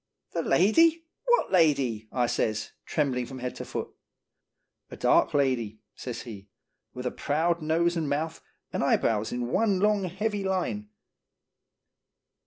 " The lady I What lady?" I says, trembling from head to foot. "A dark lady," says he, "with a proud nose and mouth, and eyebrows in one long, heavy line."